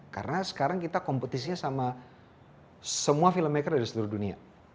karena sekarang kita kompetisinya sama semua filmmaker dari seluruh dunia